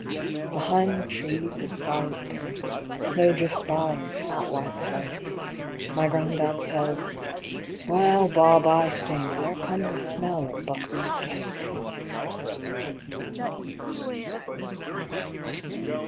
Behind the trees the sky is pink, The snow drifts by in fat white flakes, My gran'dad says: "Well, Bob, I think There comes a smell of buckwheat cakes."